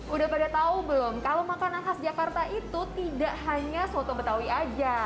udah pada tahu belum kalau makanan khas jakarta itu tidak hanya soto betawi aja